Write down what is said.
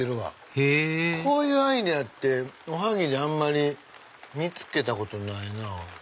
へぇこういうアイデアっておはぎであんまり見つけたことないなぁ。